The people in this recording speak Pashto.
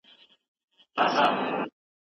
جرګه د افغانانو د عزت، غیرت او عدالت نښه ده.